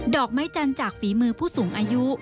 อกไม้จันทร์จากฝีมือผู้สูงอายุ